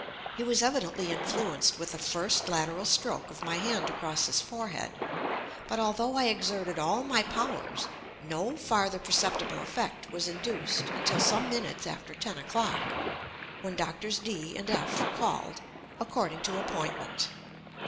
He was evidently influenced with the first lateral stroke of my hand across his forehead; but although I exerted all my powers, no further perceptible effect was induced until some minutes after ten o'clock, when Doctors D—— and F—— called, according to appointment.